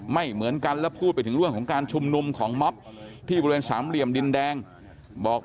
และพูดไปถึงเรื่องของการชุมนุมของหมบที่บริเวณสามเหลี่ยมดินแดงบอก